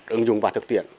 ứng dụng và thực tiện